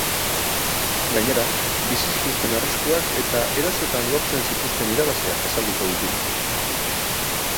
Gainera, bizi zituzten arriskuak eta erasoetan lortzen zituzten irabaziak azalduko ditu.